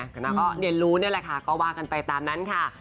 เราก็เลี่ยนรู้แล้วก็ว่ากันไปตามนั้น